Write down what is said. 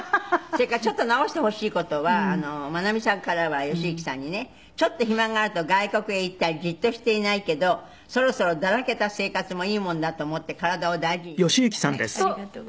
それからちょっと直してほしい事は眞奈美さんからは吉行さんにね「ちょっと暇があると外国へ行ったりじっとしていないけどそろそろだらけた生活もいいもんだと思って体を大事にしてください」。